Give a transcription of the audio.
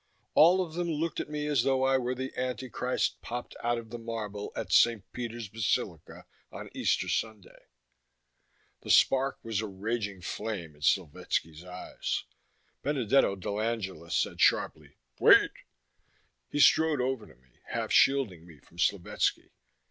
All of them looked at me as though I were the Antichrist, popped out of the marble at St. Peter's Basilica on Easter Sunday. The spark was a raging flame in Slovetski's eyes. Benedetto dell'Angela said sharply, "Wait!" He strode over to me, half shielding me from Slovetski.